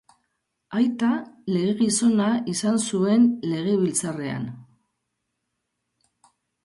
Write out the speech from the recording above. Aita legegizona izan zuen legebiltzarrean.